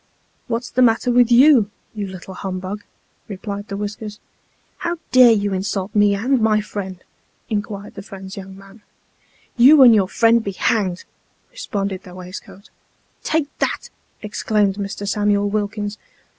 " What's the matter with you, you little humbug ?" replied the whiskers. " How dare you insult me and my friend ?" inquired the friend's young man. " You and your friend be hanged !" responded tho waistcoat. "Take that," exclaimed Mr. Samuel Wilkins.